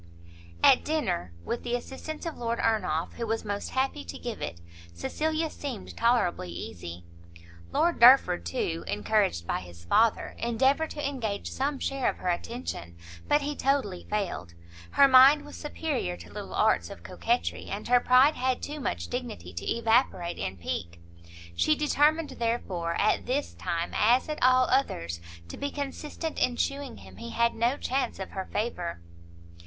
At dinner, with the assistance of Lord Ernolf, who was most happy to give it, Cecilia seemed tolerably easy. Lord Derford, too, encouraged by his father, endeavoured to engage some share of her attention; but he totally failed; her mind was superior to little arts of coquetry, and her pride had too much dignity to evaporate in pique; she determined, therefore, at this time, as at all others, to be consistent in shewing him he had no chance of her favour.